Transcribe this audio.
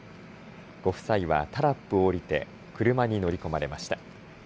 ご夫妻はタラップを降りて車に乗り込まれました。